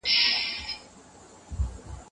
تود ځای جوړ کړئ.